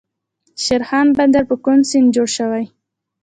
شیرخان بندر په کوم سیند جوړ شوی؟